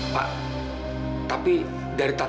pak tapi dari tatapnya